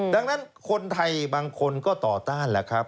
ดังนั้นคนไทยบางคนก็ต่อต้านแหละครับ